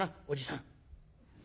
おじさん」。